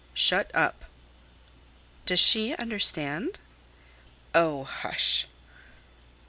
"Shut up!" "Does she understand?" "Oh, hush!"